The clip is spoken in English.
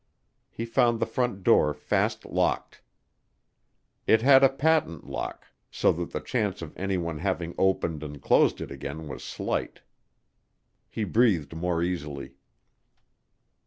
He found the front door fast locked. It had a patent lock so that the chance of anyone having opened and closed it again was slight. He breathed more easily.